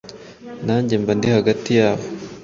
nanjye mba ndi hagati yabo.